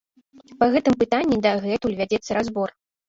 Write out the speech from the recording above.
Па гэтым пытанні дагэтуль вядзецца разбор.